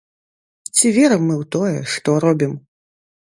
Ці верым мы ў тое, што робім?